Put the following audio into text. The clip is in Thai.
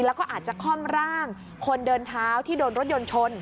แล้วก็อาจจะคล่อมร่างคนเดินเท้าที่โดนรถยนต์ชน